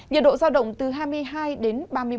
nhiệt độ giao động từ hai mươi hai đến ba mươi bảy độ